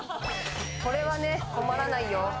これは困らないよ。